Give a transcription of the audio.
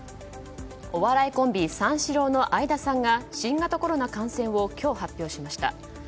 お笑いコンビ三四郎の相田さんが新型コロナ感染を今日発表しました。